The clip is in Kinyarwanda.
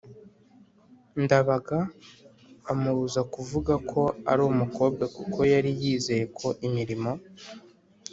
Ndabaga amubuza kuvuga ko ari umukobwa kuko yari yizeye ko imirimo